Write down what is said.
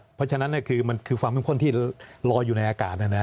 เพราะฉะนั้นคือมันคือความเข้มข้นที่ลอยอยู่ในอากาศ